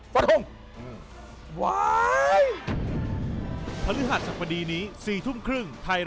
ฟันธง